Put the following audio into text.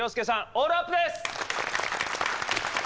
オールアップです！